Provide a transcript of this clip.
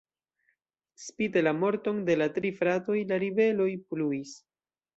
Spite la morton de la tri fratoj, la ribeloj pluis.